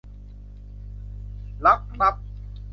รักลับ